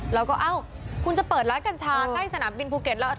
เอ้าคุณจะเปิดร้านกัญชาใกล้สนามบินภูเก็ตแล้ว